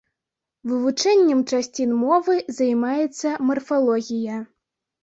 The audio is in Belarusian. Вывучэннем часцін мовы займаецца марфалогія.